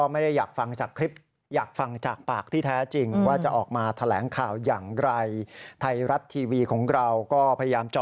มานั่งสัมภาษณ์ตรงนี้ไหม